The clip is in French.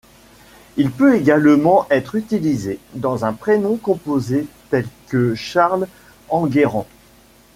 Il peut également être utilisé dans un prénom composé tels que Charles-Anguerran.